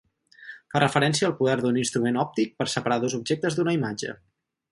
Fa referència al poder d'un instrument òptic per separar dos objectes d'una imatge.